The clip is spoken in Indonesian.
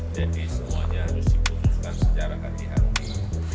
jadi semuanya harus diputuskan secara kati harum